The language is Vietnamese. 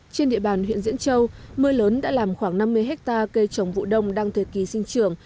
trên địa bàn huyện diễn châu mưa lớn đã làm khoảng năm mươi hectare cây trồng vụ đông đang thời kỳ sinh trưởng